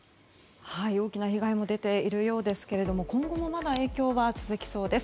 大きな被害も出ているようですが今後もまだ影響は続きそうです。